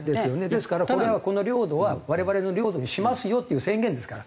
ですからこれはこの領土は我々の領土にしますよっていう宣言ですから。